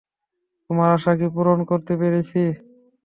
তোমার আশা কি পূরণ করতে পেরেছি?